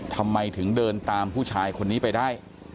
ทำไมถึงเดินตามผู้ชายคนนี้ไปได้